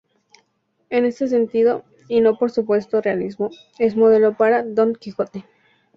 En este sentido, y no por su supuesto realismo, es modelo para "Don Quijote".